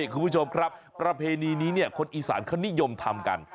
คุณผู้ชมครับประเพณีนี้คนอีสานเขานิยมทำกัน